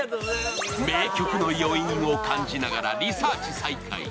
名曲の余韻を感じながらリサーチ再開。